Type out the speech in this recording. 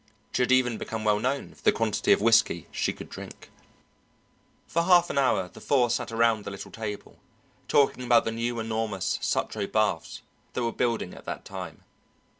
She had even become well known for the quantity of whisky she could drink. For half an hour the four sat around the little table, talking about the new, enormous Sutro Baths that were building at that time.